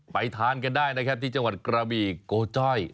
ทานกันได้นะครับที่จังหวัดกระบี่โกจ้อย